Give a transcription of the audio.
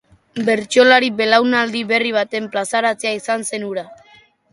Bertsolari belaunaldi berri baten plazaratzea izan zen hura.